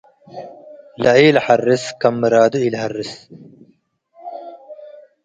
. ለኢለሐርስ ክም ምራዱ ኢለሀርስ፣